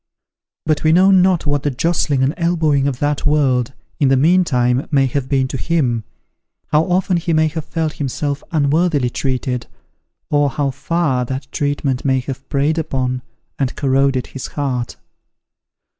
But we know not what the jostling and elbowing of that world, in the meantime, may have been to him how often he may have felt himself unworthily treated or how far that treatment may have preyed upon and corroded his heart.